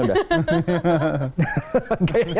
alah kata aria kebanyakan gaya